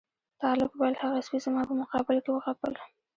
طالب وویل هغه سپي زما په مقابل کې وغپل.